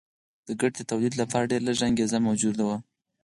د ګټې د تولید لپاره ډېره لږه انګېزه موجوده وه